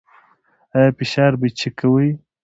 ایا فشار به چیک کوئ؟